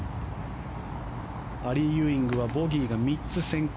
アリー・ユーイングはボギーが３つ先行。